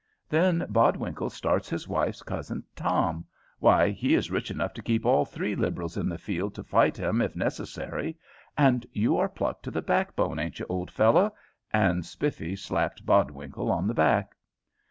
"Then Bodwinkle starts his wife's cousin Tom why, he is rich enough to keep all three Liberals in the field to fight him if necessary; and you are pluck to the backbone, aint you, old fellow?" and Spiffy slapped Bodwinkle on the back.